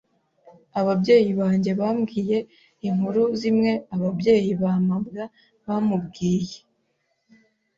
Ababyeyi banjye bambwiye inkuru zimwe ababyeyi ba mabwa bamubwiye.